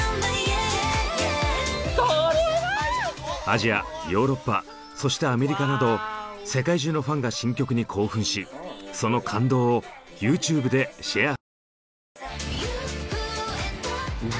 アジアヨーロッパそしてアメリカなど世界中のファンが新曲に興奮しその感動をＹｏｕＴｕｂｅでシェアする。